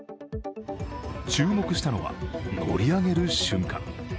注目したのは、乗り上げる瞬間。